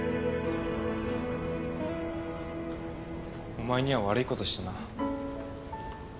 お前には悪いことしたな。